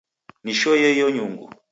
Nishoie iyo nyungu